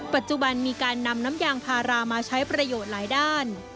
ปัจจุบันมีการนำน้ำยางพารามาใช้ประโยชน์หลายด้าน